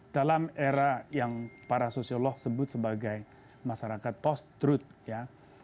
dalam era yang para sosiolog sebut sebagai masyarakat post truth ya